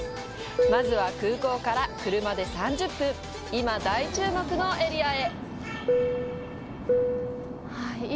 まずは、空港から車で３０分、今、大注目のエリアへ！